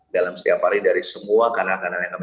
dalam setiap hari dari semua kanal kanan yang kami